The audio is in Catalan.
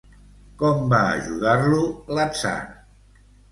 Com va ajudar-lo, l'atzar?